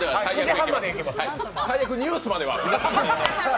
最悪ニュースまではいける。